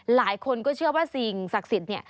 หลายคนก็เชื่อว่าสิ่งศักดิ์สิทธิ์เนี่ย